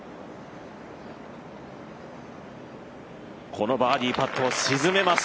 このバーディーパットを沈めます。